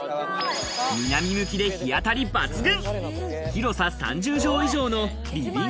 南向きで日当たり抜群！